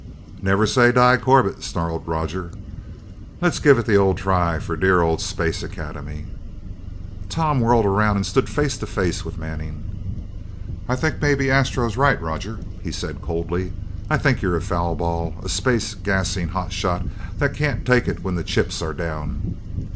"Never say die Corbett!" snarled Roger. "Let's give it the old try for dear old Space Academy!" Tom whirled around and stood face to face with Manning. "I think maybe Astro's right, Roger," he said coldly. "I think you're a foul ball, a space gassing hot shot that can't take it when the chips are down!"